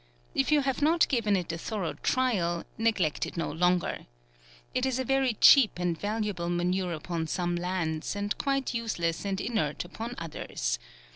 If you have not given it a thorough trial, neglect it no longer. It is a very cheap and valuable manure upon some lands, and quite useless and inert upon others.